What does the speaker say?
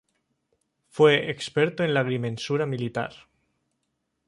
Fue experto en la agrimensura militar.